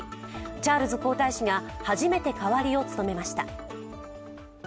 チャールズ皇太子が初めて代わりを務めました。